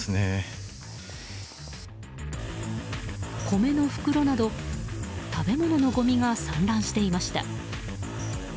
米の袋など食べ物のごみが散乱していました。